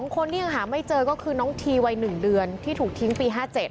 คนที่ยังหาไม่เจอก็คือน้องทีวัย๑เดือนที่ถูกทิ้งปี๕๗